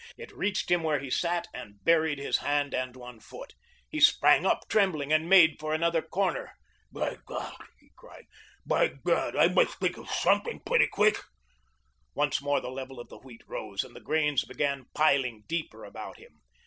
It reached him where he sat and buried his hand and one foot. He sprang up trembling and made for another corner. "By God," he cried, "by God, I must think of something pretty quick!" Once more the level of the wheat rose and the grains began piling deeper about him.